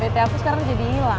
bete aku sekarang jadi ilang